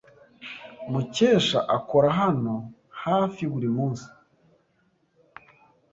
Mukesha akora hano hafi buri munsi.